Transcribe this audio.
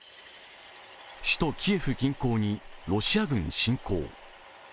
首都キエフ近郊にロシア軍、侵攻。